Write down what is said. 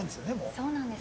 そうなんです